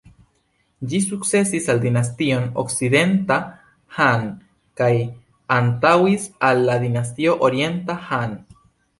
Ĝi sukcedis la Dinastion Okcidenta Han kaj antaŭis al la Dinastio Orienta Han.